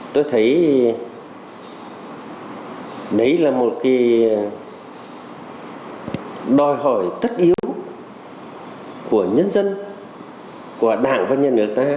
tôi thấy đấy là một cái đòi hỏi tất yếu của nhân dân của đảng và nhân dân